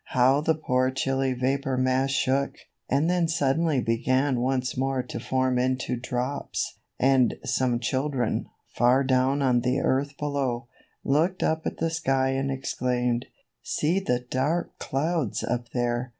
How the poor chilly vapor mass shook, and then suddenly began once more to form into drops. And some children, far down on the earth below, looked up at the sky and exclaimed, ^^See the dark clouds up there